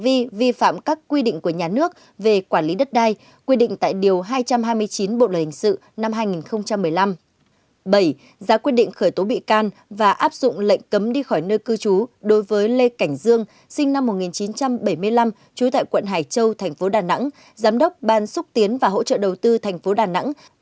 tám giá quyết định khởi tố bị can và áp dụng lệnh cấm đi khỏi nơi cư trú đối với lê cảnh dương sinh năm một nghìn chín trăm bảy mươi năm trú tại quận hải châu tp đà nẵng giám đốc ban xúc tiến và hỗ trợ đầu tư tp đà nẵng